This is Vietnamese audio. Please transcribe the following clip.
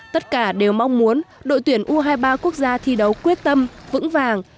tất cả đều mong muốn đội tuyển u hai mươi ba quốc gia thi đấu quyết tâm vững vàng